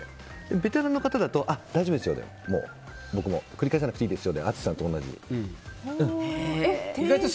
ベテランの方だと大丈夫ですよで繰り返さなくていいですよで淳さんと同じです。